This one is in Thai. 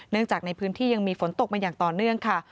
จากในพื้นที่ยังมีฝนตกมาอย่างต่อเนื่องค่ะ